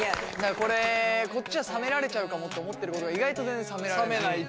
これこっちは冷められちゃうかもって思ってることが意外と全然冷められない。